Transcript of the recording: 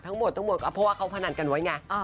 ทั้งหมดเพราะว่าเขาพนันกันไว้ไง